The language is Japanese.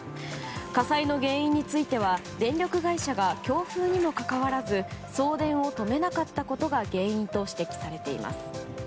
火災の原因については電力会社が強風にもかかわらず送電を止めなかったことが原因と指摘されています。